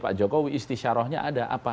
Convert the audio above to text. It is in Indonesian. pak jokowi istisyarohnya ada apa